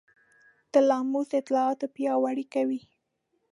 تلاموس دا اطلاعات پیاوړي کوي.